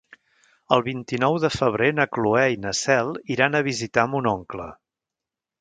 El vint-i-nou de febrer na Cloè i na Cel iran a visitar mon oncle.